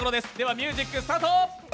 ミュージックスタート！